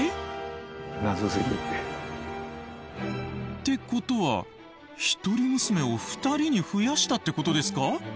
ってことは一人娘を２人に増やしたってことですか？